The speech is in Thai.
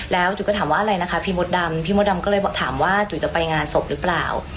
แล้วจุ๋ยก็ถามว่าอะไรนะคะพี่มดดำพี่มดดำก็เลยถามว่าจุ๋ยจะไปงานศพหรือเปล่า